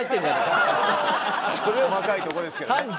細かいとこですけどね。